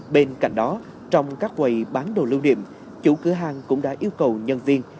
bên cạnh đó trong các quầy bán đồ lưu niệm chủ cửa hàng cũng đã yêu cầu nhân viên